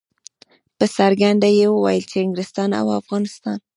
په څرګنده یې ویل چې انګلستان او افغانستان.